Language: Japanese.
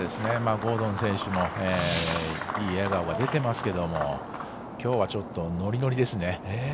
ゴードン選手もいい笑顔が出ていますけどきょうは、ノリノリですね。